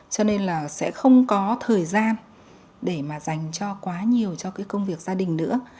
cho nên là sẽ không có thời gian để mà dành cho quá nhiều cho cái công việc gia đình nữa